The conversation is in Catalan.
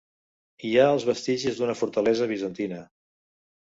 Hi ha els vestigis d'una fortalesa bizantina.